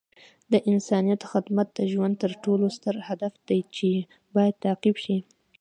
د انسانیت خدمت د ژوند تر ټولو ستر هدف دی چې باید تعقیب شي.